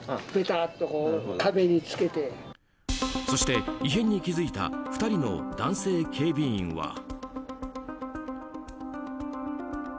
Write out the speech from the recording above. そして、異変に気付いた２人の男性警備員は。